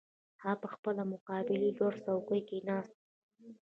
هغه پخپله په مقابل لوري څوکۍ کې ناست و